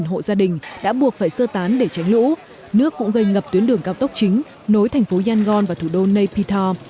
hai hộ gia đình đã buộc phải sơ tán để tránh lũ nước cũng gây ngập tuyến đường cao tốc chính nối thành phố yangon và thủ đô naypyitaw